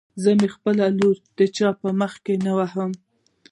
زه مې خپله لور د چا په مخکې نه ورکم.